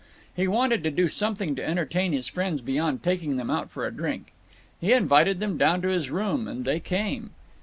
He wanted to do something to entertain his friends beyond taking them out for a drink. He invited them down to his room, and they came.